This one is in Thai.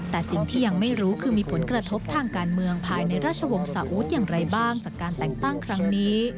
แต่สิ่งที่ยังไม่รู้คือมีผลกระทบทางการเมืองภายในราชวงศาวุฒิอย่างไรบ้างจากการแต่งตั้งครั้งนี้